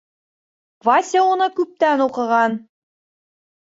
Вася уны күптән уҡыған.